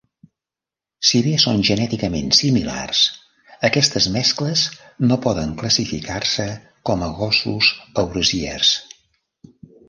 Si bé són genèticament similars, aquestes mescles no poden classificar-se com a gossos eurasiers.